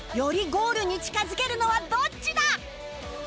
ゴールに近づけるのはどっちだ！？